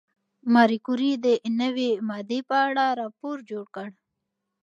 ماري کوري د نوې ماده په اړه راپور جوړ کړ.